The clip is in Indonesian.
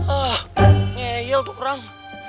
ah ngeyel tuh orang